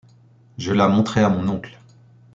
Je la montrai à mon oncle.